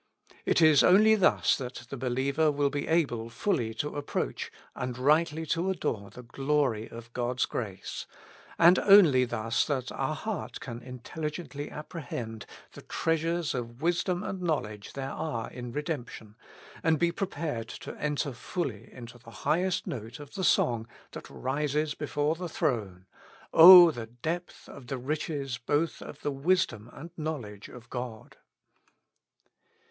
It is only thus that the believer will be able fully to approach and rightly to adore the glory of God's grace; and only thus that our heart can intelligently apprehend the trea 135 With Christ in the School of Prayer. sures of wisdom and knowledge there are in redemp tion, and be prepared to enter fully into the highest note of the song that rises before the throne :*' O the depth of the riches both of the wisdom and knowledge af God